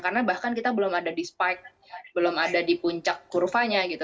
karena bahkan kita belum ada di spike belum ada di puncak kurvanya gitu